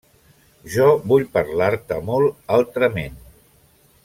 Jo vull parlar-te molt altrament.